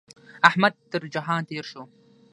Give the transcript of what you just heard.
احمد تر جهان تېر شو.